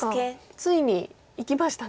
ついにいきましたね。